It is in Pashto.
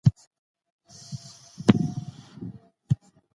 پخواني دودونه اوس هم سته.